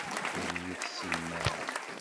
Ur iyi-tessinem ara.